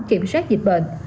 kiểm soát dịch bệnh